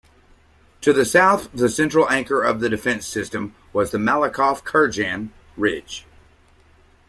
To the south the central anchor of the defence system was the Malakoff-Kurgan ridge.